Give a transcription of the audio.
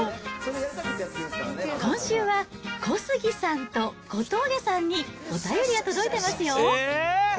今週は、小杉さんと小峠さんにお便りが届いてますよ。